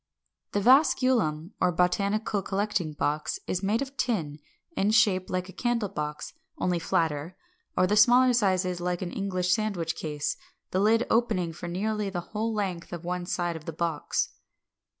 559. The Vasculum, or Botanical Collecting box, is made of tin, in shape like a candle box, only flatter, or the smaller sizes like an English sandwich case; the lid opening for nearly the whole length of one side of the box.